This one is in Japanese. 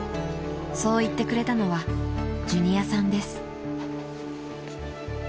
［そう言ってくれたのはジュニアさんです］